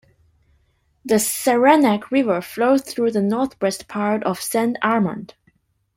The Saranac River flows through the northwest part of Saint Armand.